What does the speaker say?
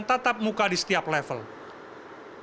di sini ada perbedaan dalam penerapan pembelajaran